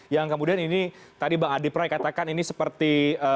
yang kemudian ini tadi bang adi pray katakan ini seperti